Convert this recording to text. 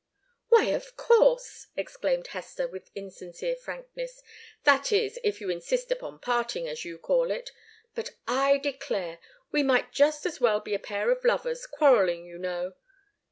"Why, of course!" exclaimed Hester, with insincere frankness. "That is, if you insist upon parting, as you call it. But I declare! we might just as well be a pair of lovers quarrelling, you know.